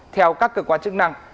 theo các cơ quan chức năng